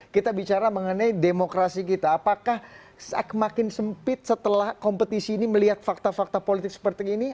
kita bicara mengenai demokrasi kita apakah semakin sempit setelah kompetisi ini melihat fakta fakta politik seperti ini